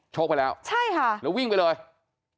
ชกไปแล้วแล้ววิ่งไปเลยใช่ค่ะ